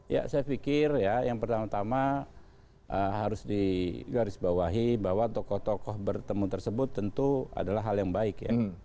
ya saya pikir ya yang pertama tama harus digarisbawahi bahwa tokoh tokoh bertemu tersebut tentu adalah hal yang baik ya